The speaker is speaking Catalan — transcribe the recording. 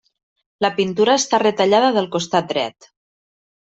La pintura està retallada del costat dret.